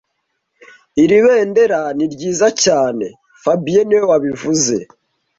Iri bendera ni ryiza cyane fabien niwe wabivuze (